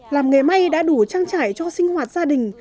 làm nghề may đã đủ trang trải cho sinh hoạt gia đình